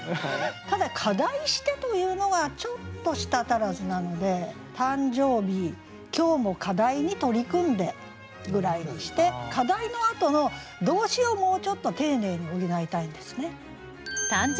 ただ「課題して」というのがちょっと舌足らずなので「誕生日今日も課題に取り組んで」ぐらいにして「課題」のあとの動詞をもうちょっと丁寧に補いたいんですね。